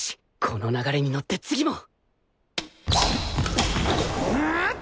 この流れにのって次も